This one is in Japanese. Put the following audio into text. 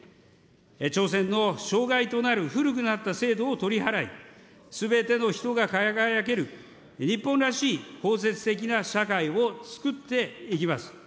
挑戦の障害となる古くなった制度を取り払い、すべての人が輝ける日本らしい包摂的な社会をつくっていきます。